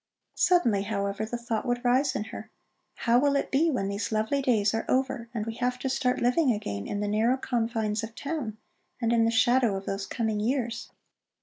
Suddenly, however, the thought would rise in her: How will it be when these lovely days are over and we have to start living again in the narrow confines of town and in the shadow of those coming years?